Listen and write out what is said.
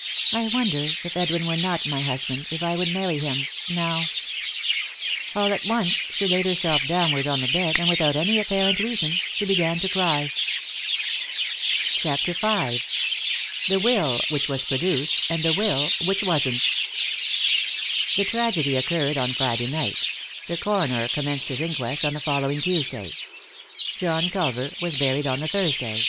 " I wonder, if Edwin were not my husband, if 1 would marry him— now ?" All at once she laid herself face downward on the bed, and, without any apparent reason, she began to cry. 3i 9 iii^d by Google CHAPTER V THE WILL WHICH WAS PRODUCED AND THE WILL WHICH WASN'T The tragedy occurred on Friday night ; the coroner commenced his inquest on the following Tuesday ; John Culver was buried on the Thursday.